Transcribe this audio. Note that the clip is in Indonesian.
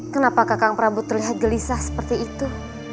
kenapa kakang prabu terlihat gelisah seperti itu